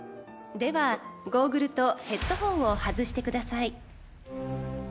ではゴーグルとヘッドホンを外してください。